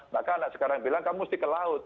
maka anak sekarang bilang kamu mesti ke laut